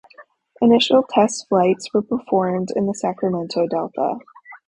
Initial test flights were performed in the Sacramento Delta.